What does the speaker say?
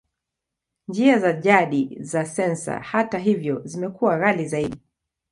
Njia za jadi za sensa, hata hivyo, zimekuwa ghali zaidi.